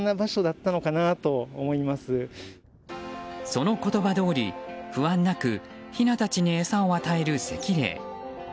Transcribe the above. その言葉どおり不安なく、ひなたちに餌を与えるセキレイ。